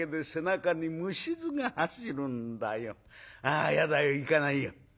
あやだよ行かないよ」。